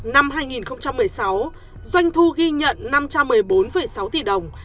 năm hai nghìn một mươi sáu doanh thu ghi nhận năm trăm một mươi bốn sáu tỷ đồng